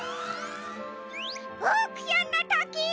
オークションのとき！